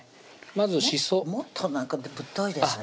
まずしそもっとぶっといですね